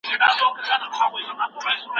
لس سېبه پاته کېږي.